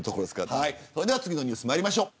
それでは次のニュースまいりましょう。